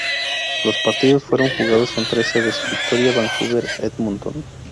Los partidos fueron jugados en tres sedes; Victoria, Vancouver, Edmonton.